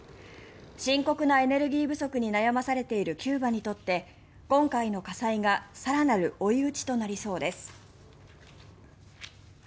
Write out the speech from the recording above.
深刻なエネルギー不足に悩まされているキューバにとって今回の火災が更なる追い打ちとなりそうです。